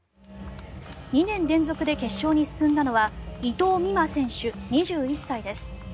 ２年連続で決勝に進んだのは伊藤美誠選手、２１歳です。